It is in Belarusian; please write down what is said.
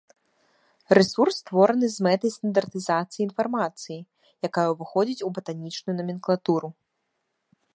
Рэсурс створаны з мэтай стандартызацыі інфармацыі, якая ўваходзіць у батанічную наменклатуру.